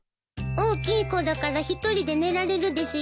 大きい子だから１人で寝られるですよ。